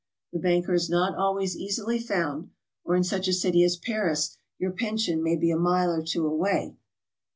The banker is not always easily found, or in such a city as Paris your pension may be a mile or two away.